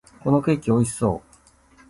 このケーキ、美味しそう！